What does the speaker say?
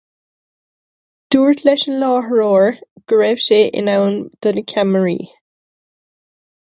Dúirt leis an láithreoir go raibh sé in am do na ceamaraí.